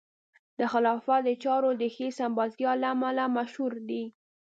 د خلافت د چارو د ښې سمبالتیا له امله مشهور دی.